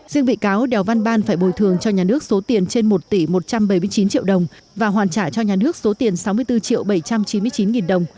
riêng bị cáo đèo văn ban phải bồi thường cho nhà nước số tiền trên một tỷ một trăm bảy mươi chín triệu đồng và hoàn trả cho nhà nước số tiền sáu mươi bốn triệu bảy trăm chín mươi chín nghìn đồng